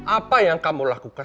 apa yang kamu lakukan